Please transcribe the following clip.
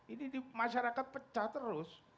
ini masyarakat pecah terus